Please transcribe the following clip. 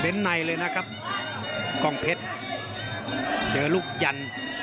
ในเลยนะครับกล้องเพชรเจอลูกยัน